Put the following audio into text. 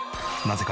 なぜ